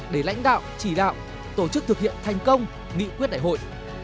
để lãnh đạo chỉ đạo tổ chức thực hiện thành công nghị quyết đại hội